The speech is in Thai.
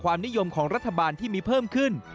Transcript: นิยมของรัฐบาลที่มีเพิ่มขึ้น